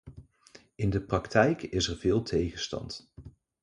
In de praktijk is er veel tegenstand.